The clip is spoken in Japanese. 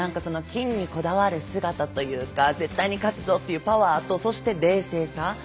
金にこだわる姿というか絶対に勝つぞというパワーとそして、冷静さ。